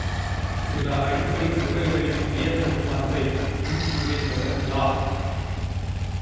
சில அடிப்படைத் துகள்களின் வியத்தகு பண்பை முன்மொழிந்தவர் யார்?